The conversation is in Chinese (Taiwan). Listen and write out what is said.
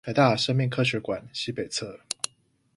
臺大生命科學館西北側